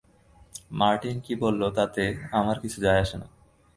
Martin কি বলল তাতে আমার কিছু যায় আসে না।